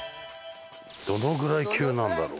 どのぐらい急なんだろう？